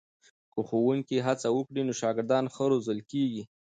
که ښوونکي هڅه وکړي نو شاګردان ښه روزل کېږي.